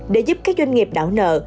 để giúp các doanh nghiệp đảo nợ